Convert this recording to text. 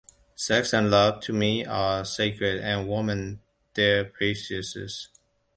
Sex and love to me are sacred and woman their priestess.